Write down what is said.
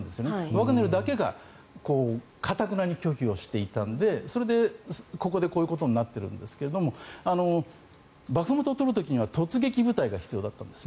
ワグネルだけが頑なに拒否をしていたのでそれで、ここでこういうことになっているんですけどバフムトを取る時には突撃部隊が必要だったんです。